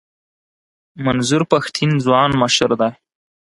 منظور پښتین ځوان مشر دی.